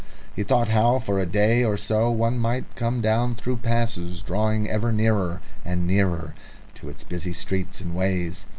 He thought how for a day or so one might come down through passes, drawing ever nearer and nearer to its busy streets and ways.